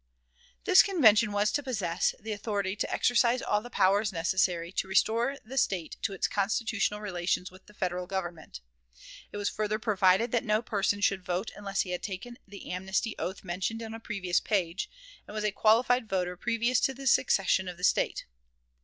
This convention was to possess the authority to exercise all the powers necessary "to restore the State to its constitutional relations with the Federal Government." It was further provided that no person should vote unless he had taken the amnesty oath mentioned on a previous page, and was a qualified voter previous to the secession of the State.